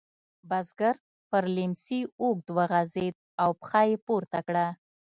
بزګر پر لیهمڅي اوږد وغځېد او پښه یې پورته کړه.